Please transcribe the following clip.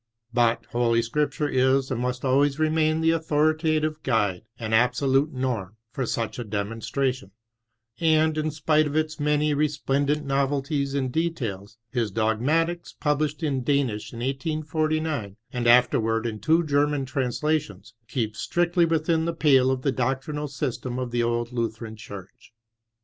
But Holy Scripture is and must always remain the authoritative guide and absolute norm for such a demonstration, and, in spite of its many resplendent novelties in details, his Dogmatiea, published in Danish in 1849, and afterward in two German trans lations, keeps strictly within the pale of the doctrinal system of tne old Lutheran Church.